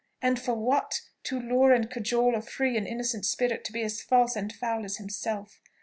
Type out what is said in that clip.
and for what? to lure and cajole a free and innocent spirit to be as false and foul as himself!